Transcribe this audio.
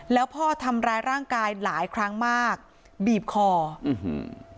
แล้วพ่อทำร้ายร่างกายหลายครั้งมากบีบคออื้อหือ